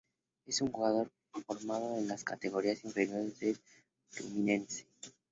Es un jugador formado en las categorías inferiores del Fluminense.